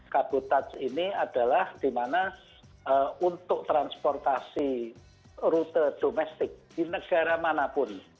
kabutaj ini adalah dimana untuk transportasi rute domestik di negara manapun